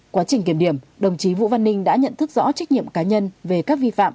quá trình kiểm điểm đồng chí vũ văn ninh đã nhận thức rõ trách nhiệm cá nhân về các vi phạm